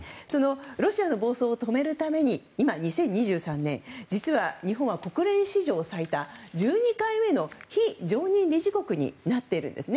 ロシアの暴走を止めるために今、２０２３年実は日本は、国連史上最多１２回目の非常任理事国になっているんですね。